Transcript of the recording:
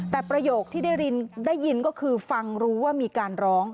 แต่ประโยคที่ได้ยินก็คือฟังรู้ว่ามีการร้อง